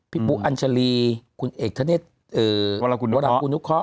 พี่ปุอัญชลีคุณเอกทะเน็ตวรับคุณนุเคราะห์